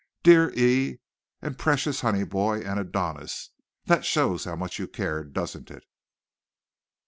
'Dear E ,' and 'Precious Honey Boy,' and 'Adonis'! That shows how much you cared, doesn't it!"